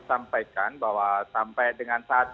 sampaikan bahwa sampai dengan saat